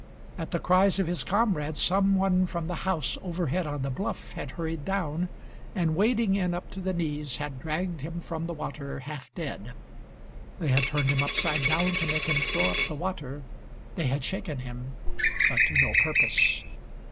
At the cries of his comrade, some one from the house overhead on the bluff had hurried down, and wading in up to the knees, had dragged him from the water half dead; they had turned him upside down to make him throw up the water, they had shaken him, but to no purpose.